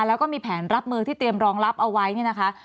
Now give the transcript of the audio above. แล้วก็มีแผนรับมือที่เตรียมรองรับเอาไว้เนี่ยนะคะ